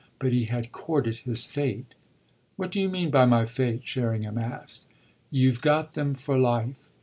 But he had courted his fate. "What do you mean by my fate?" Sherringham asked. "You've got them for life."